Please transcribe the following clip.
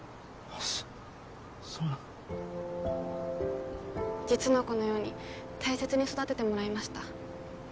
そうそうなの実の子のように大切に育ててもらいました